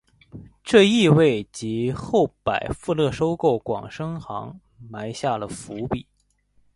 这亦为及后百富勤收购广生行埋下了伏笔。